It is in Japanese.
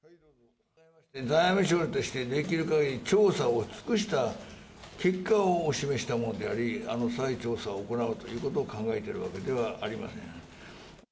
財務省としてできるかぎり調査を尽くした結果を示したものであり、再調査を行うということを考えているわけではありません。